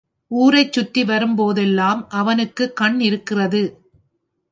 ஊரைச் சுற்றி வரும் போதெல்லாம் அவனுக்குக் கண் இருக்கிறது.